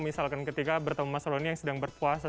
misalkan ketika bertemu mas roni yang sedang berpuasa